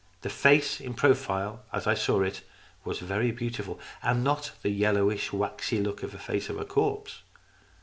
The face in profile, as I saw it, was very beautiful, and had not the yellowish waxy look of the face of a corpse.